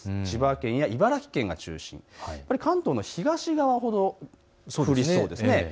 千葉県や茨城県が中心、関東の東側ほど降りそうですね。